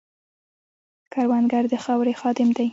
کروندګر د خاورې خادم دی